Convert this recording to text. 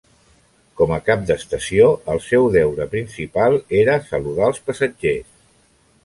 Com a cap d'estació seu deure principal era saludar els passatgers.